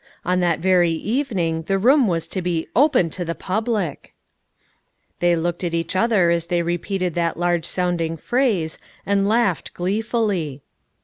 On that very evening the room was to be " open to the public !" They looked at each other as they repeated that large sounding phrase, and laughed gleefully.